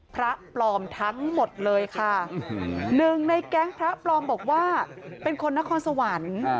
พระปลอมทั้งหมดเลยค่ะหนึ่งในแก๊งพระปลอมบอกว่าเป็นคนนครสวรรค์